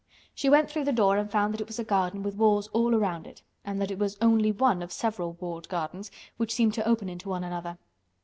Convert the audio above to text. She went through the door and found that it was a garden with walls all round it and that it was only one of several walled gardens which seemed to open into one another.